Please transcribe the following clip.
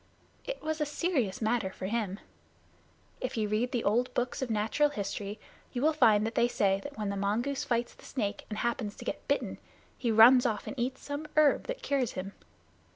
It was a serious matter for him. If you read the old books of natural history, you will find they say that when the mongoose fights the snake and happens to get bitten, he runs off and eats some herb that cures him.